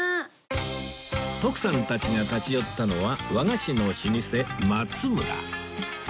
徳さんたちが立ち寄ったのは和菓子の老舗松むら